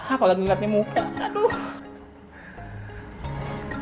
apa lagi liat nih muka aduh